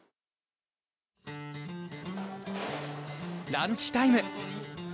ランチタイム。